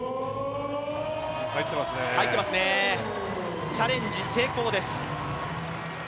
入ってますね、チャレンジ成功です。